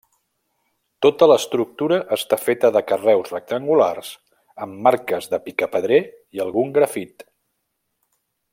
Tota l'estructura està feta de carreus rectangulars, amb marques de picapedrer i algun grafit.